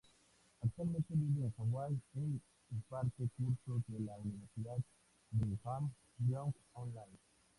Actualmente vive en Hawái e imparte cursos de la Universidad Brigham Young online.